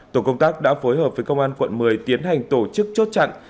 tổ công tác đã phối hợp với công an quận một mươi tiến hành tổ chức chốt chặn